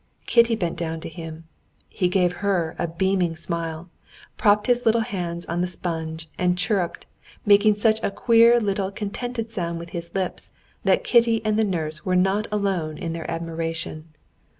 Kitty bent down to him, he gave her a beaming smile, propped his little hands on the sponge and chirruped, making such a queer little contented sound with his lips, that Kitty and the nurse were not alone in their admiration.